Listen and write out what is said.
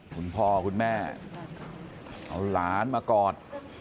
คุณพ่อคุณแม่เอาหลานมากอด